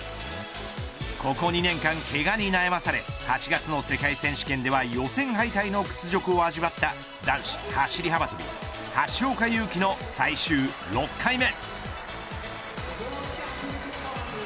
ここ２年間けがに悩まされ８月の世界選手権では予選敗退の屈辱を味わった男子走り幅跳び橋岡優輝の最終６回目。